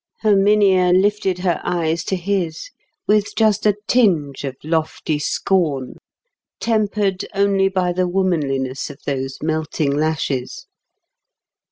Herminia lifted her eyes to his with just a tinge of lofty scorn, tempered only by the womanliness of those melting lashes.